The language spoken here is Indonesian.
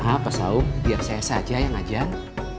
maaf pak saum biar saya saja yang ajang